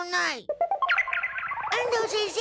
安藤先生